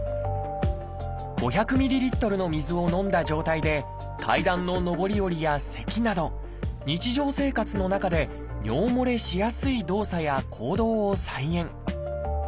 ５００ｍＬの水を飲んだ状態で階段の上り下りやせきなど日常生活の中で尿もれしやすい動作や行動を再現。